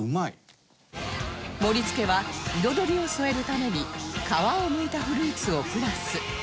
盛り付けは彩りを添えるために皮をむいたフルーツをプラス